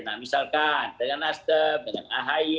nah misalkan dengan nasdem dengan ahy